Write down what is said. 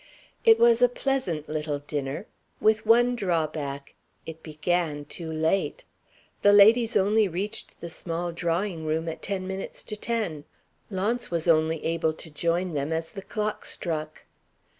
It was a pleasant little dinner with one drawback. It began too late. The ladies only reached the small drawing room at ten minutes to ten. Launce was only able to join them as the clock struck.